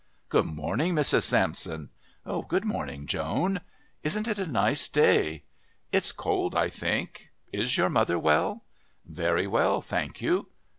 "Good morning, Mrs. Sampson." "Good morning, Joan." "Isn't it a nice day?" "It's cold, I think. Is your mother well?" "Very well, thank you."